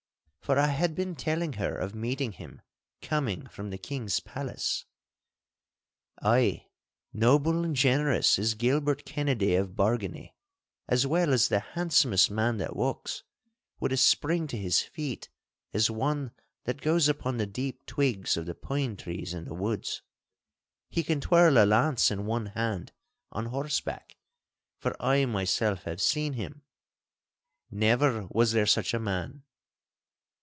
For I had been telling her of meeting him coming from the king's palace. 'Ay, noble and generous is Gilbert Kennedy of Bargany, as well as the handsomest man that walks, with a spring to his feet as one that goes upon the deep twigs of the pine trees in the woods. He can twirl a lance in one hand on horseback—for I myself have seen him—never was there such a man!